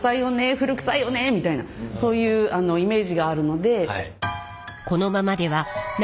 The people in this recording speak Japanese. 古くさいよねみたいなそういうイメージがあるので。